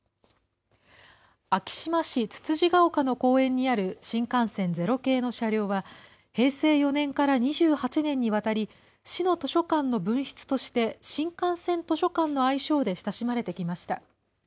昭島市つつじが丘の公園にある新幹線、０系の車両は、平成４年から２８年にわたり、市の図書館の分室として新幹線図書館の愛称で親しまれてきました。